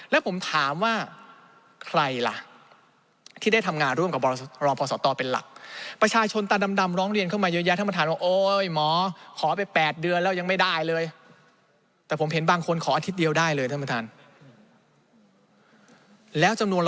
และอาจจะมีความเสี่ยงระหว่างประเทศแล้วด้วย